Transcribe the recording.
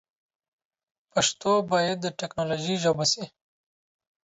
پښتو باید د ټیکنالوژي ژبه سی.